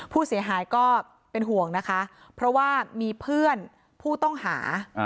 ผู้เสียหายก็เป็นห่วงนะคะเพราะว่ามีเพื่อนผู้ต้องหา